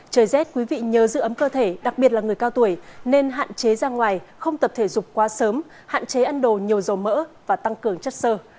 trời rét quý vị nhờ giữ ấm cơ thể đặc biệt là người cao tuổi nên hạn chế ra ngoài không tập thể dục quá sớm hạn chế ăn đồ nhiều dầu mỡ và tăng cường chất sơ